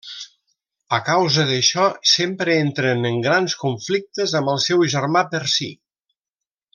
A causa d'això sempre entren en grans conflictes amb el seu germà Percy.